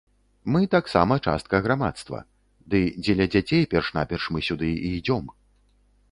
Мы таксама частка грамадства, ды дзеля дзяцей перш-наперш мы сюды і ідзём.